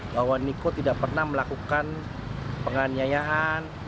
bahwa niko tidak pernah melakukan penganiayaan